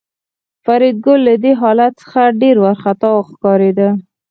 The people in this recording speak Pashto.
فریدګل له دې حالت څخه ډېر وارخطا ښکارېده